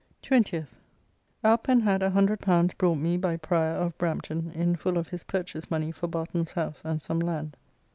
20th. Up and had L100 brought me by Prior of Brampton in full of his purchase money for Barton's house and some land.